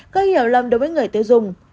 có hiểu lầm đối với người tiêu dùng